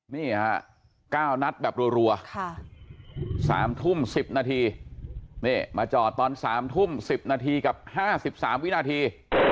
นี่ฮะก้าวนัดแบบรวค่ะสามทุ่มสิบนาทีนี่มาจอดตอนสามทุ่มสิบนาทีกับห้าสิบสามวินาที